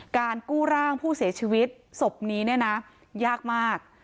การกู้ร่างผู้เสียชีวิตศพนี้เนี่ยนะยากมาก